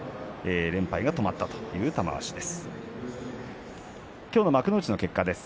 連敗が止まったという玉鷲です。